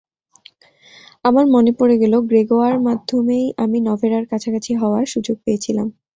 আমার মনে পড়ে গেল, গ্রেগোয়ার মাধ্যমেই আমি নভেরার কাছাকাছি হওয়ার সুযোগ পেয়েছিলাম।